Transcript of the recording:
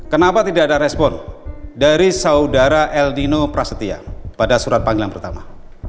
kenapa tidak ada respon dari saudara el nino prasetya pada surat panggilan pertama